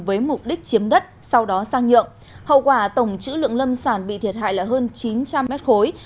với mục đích chiếm đất sau đó sang nhượng hậu quả tổng chữ lượng lâm sản bị thiệt hại là hơn chín trăm linh mét khối